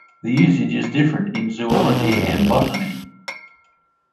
The usage is different in zoology and botany.